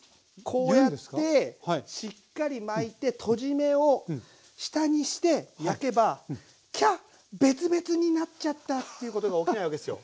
こうやってしっかり巻いてとじ目を下にして焼けばキャッベツベツになっちゃったっていうことが起きないわけですよ。